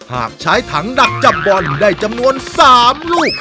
หากใช้ถังดักจับบอลได้จำนวน๓ลูก